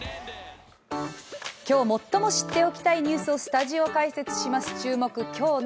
今日、最も知っておきたいニュースをスタジオ解説します。